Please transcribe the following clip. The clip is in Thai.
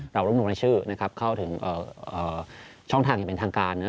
ร่วมลงรายชื่อเข้าถึงช่องทางอย่างเป็นทางการ